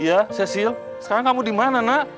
iya cecil sekarang kamu dimana nak